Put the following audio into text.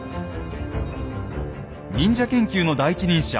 忍者研究の第一人者